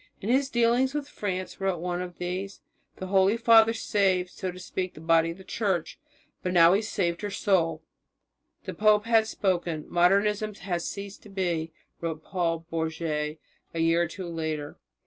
"In his dealings with France," wrote one of these, "the Holy Father saved, so to speak, the body of the Church, but now he has saved her soul." "The pope has spoken, Modernism has ceased to be," wrote Paul Bourget a year or two later.